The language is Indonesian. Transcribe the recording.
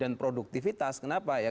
dan produktivitas kenapa ya